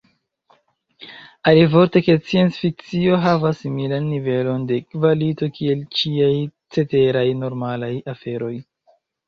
Alivorte, ke sciencfikcio havas similan nivelon de kvalito kiel ĉiaj ceteraj, “normalaj” aferoj.